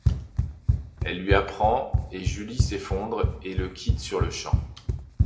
Elle lui apprend et Julie s'effondre et le quitte sur-le-champ.